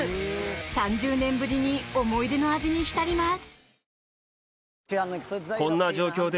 ３０年ぶりに思い出の味に浸ります。